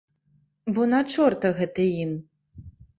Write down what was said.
Бо на чорта гэта ім.